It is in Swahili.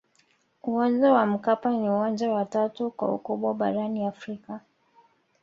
uwanja wa mkapa ni uwanja wa tatu kwa ukubwa barani afrika